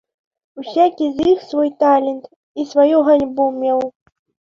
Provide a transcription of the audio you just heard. Усякі з іх свой талент і сваю ганьбу меў.